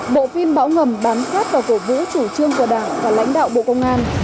bộ phim bão ngầm bán phát vào cổ vũ chủ trương của đảng và lãnh đạo bộ công an